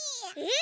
え？